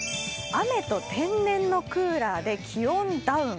雨と天然のクーラーで気温ダウン。